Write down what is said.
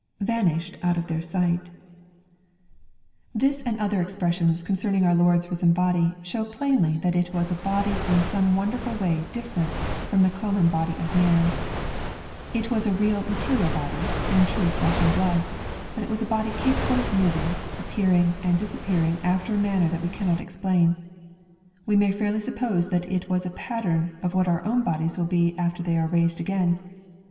[Vanished out of their sight] This and other expressions aU8 EXPOSITORY THOUGflT». concerning our Lord's risen body, show plainly that it was a l>ody in 8om*i wondeiful way diflerent from the common body of man. It was a real material body, and true flesh and blood. But itwaa a body capable of moving, appearing, and disappearing after a manner that we cannot explain. We may fairly suppose that it was a pattern of what our own bodies will be after they are raised again.